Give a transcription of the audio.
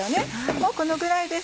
もうこのぐらいです